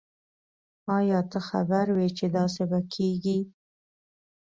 آیا ته خبر وی چې داسي به کیږی